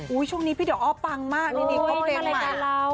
ห์ช่วงนี้พี่ดอกอ้อปังมากมันมีความเตรียมมา